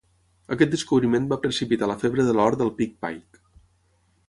Aquest descobriment va precipitar la febre de l'or del pic Pike.